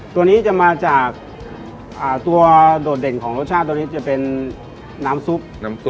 ตัวนี้จะมาจากตัวโดดเด่นของรสชาติตัวนี้จะเป็นน้ำซุปน้ำซุป